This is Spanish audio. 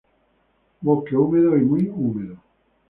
Bosque húmedo y muy húmedo.